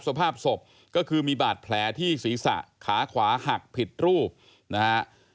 สภาพศพก็คือมีบาดแผลที่ศีรษะขาขวาหักผิดรูปนะฮะ